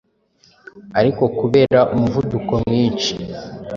ariko kubera umuvuduko mwinshi